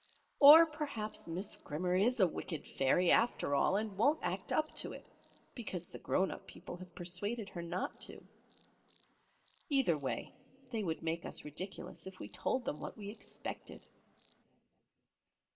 Or perhaps Miss Grimmer is a wicked fairy, after all, and won't act up to it, because the grown up people have persuaded her not to. Either way, they would make us ridiculous if we told them what we expected."